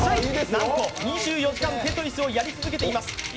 なんと２４時間「テトリス」をやり続けています。